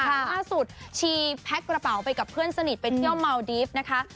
ล่าสุดชีแพ็คกระเป๋าไปกับเพื่อนสนิทไปเที่ยวเมาดีฟนะคะ